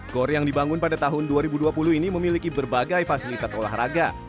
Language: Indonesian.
gor yang dibangun pada tahun dua ribu dua puluh ini memiliki berbagai fasilitas olahraga